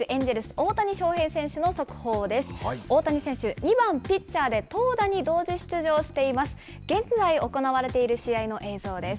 大谷選手、２番ピッチャーで投打に同時出場しています。